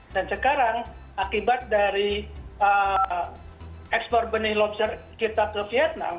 dan sekarang akibat dari ekspor benih lobster kita ke vietnam